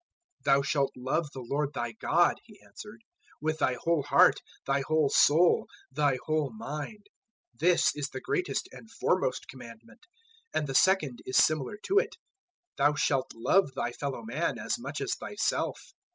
022:037 "`Thou shalt love the Lord thy God,'" He answered, "`with thy whole heart, thy whole soul, thy whole mind.' 022:038 This is the greatest and foremost Commandment. 022:039 And the second is similar to it: `Thou shalt love thy fellow man as much as thyself.'